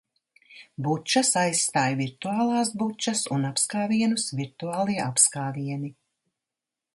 Bučas aizstāj virtuālās bučas un apskāvienus - virtuālie apskāvieni.